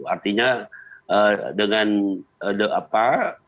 artinya dengan apa